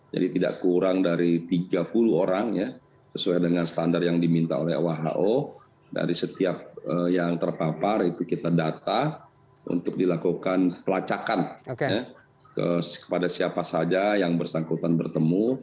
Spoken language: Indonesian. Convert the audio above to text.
jadi tidak kurang dari tiga puluh orang sesuai dengan standar yang diminta oleh who dari setiap yang terpapar itu kita data untuk dilakukan pelacakan kepada siapa saja yang bersangkutan bertemu